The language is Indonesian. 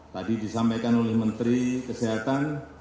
tadi disampaikan oleh menteri kesehatan